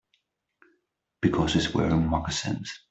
Because he's wearing moccasins.